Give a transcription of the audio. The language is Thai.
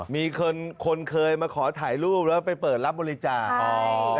มีคนเคยมาขอถ่ายรูปแล้วไปเปิดรับบริจาค